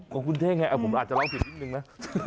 ของคุณเท่อ่าผมอาจจะเล่าผิดนิดนึงนะ